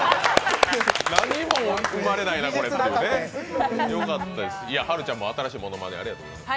何も生まれないな、これっていうねはるちゃんも新しいものまね、ありがとうございます。